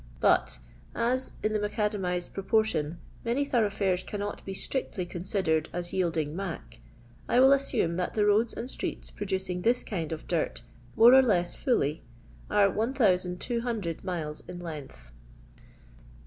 But as in the macadamized proportion many thoroughfares cannot be strictly considered as yielding " mac," I will assume that the roads and streets producing this kind of dirt, more or less fully, are 1200 miles in length.